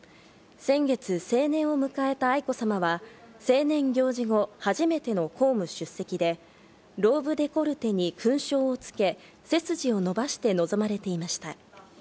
先月、成年を迎えた愛子さまは成年行事後、初めての公務出席で、ローブデコルテに勲章をつけ、背筋を伸ばしてのぞまれていました。